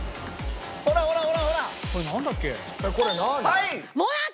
はい！